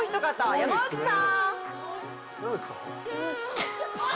山内さん！